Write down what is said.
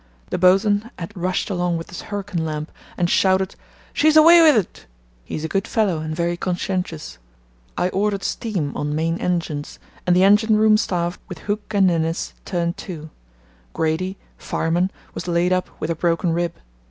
The bos'n had rushed along with his hurricane lamp, and shouted, 'She's away wi' it!' He is a good fellow and very conscientious. I ordered steam on main engines, and the engine room staff, with Hooke and Ninnis, turned to. Grady, fireman, was laid up with a broken rib.